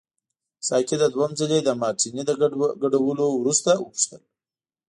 ساقي د دوهم ځلي د مارټیني له ګډولو وروسته وپوښتل.